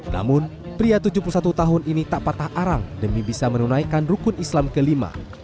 namun pria tujuh puluh satu tahun ini tak patah arang demi bisa menunaikan rukun islam kelima